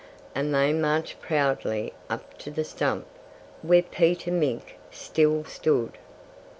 And they marched proudly up to the stump where Peter Mink still stood.